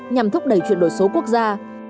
nhằm thúc đẩy chuyển đổi số quốc gia